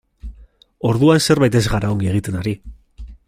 Orduan zerbait ez gara ongi egiten ari.